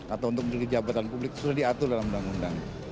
atau untuk menjadi jabatan publik sudah diatur dalam undang undang